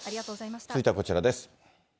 続いてはこちらです。